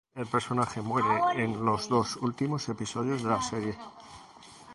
El personaje muere en los dos últimos episodios de la serie.